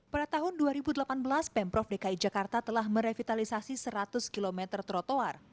pada tahun dua ribu delapan belas pemprov dki jakarta telah merevitalisasi seratus km trotoar